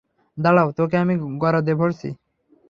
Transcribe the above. দাঁড়াও, তোকে আমি গরাদে ভরছি।